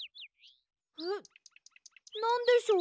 えっなんでしょう？